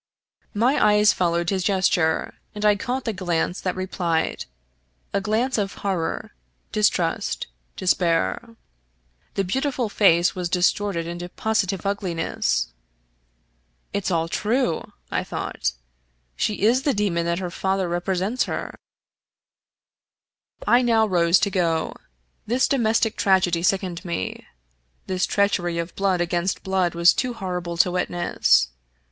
My eyes followed his gesture, and I caught the glance that replied — sl glance of horror, distrust, despair. The beautiful face was distorted into positive ugliness. "It's all true," I thought; "she is the demon that her father represents her." i8 Fitzjames O'Brien I now rose to go. This domestic tragedy sickened me. This treachery of blood against blood was too horrible to witness.